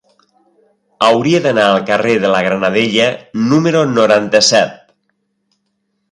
Hauria d'anar al carrer de la Granadella número noranta-set.